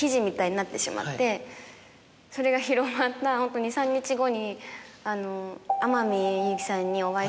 それが広まったホント２３日後に天海祐希さんに。